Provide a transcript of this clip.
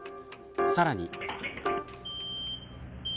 さらに。